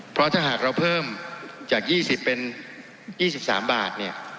เพราะถ้าหากเราเพิ่มจาก๒๐เป็น๒๓บาทเนี่ย